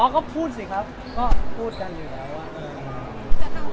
ก็พูดสิครับก็พูดกันอยู่แล้ว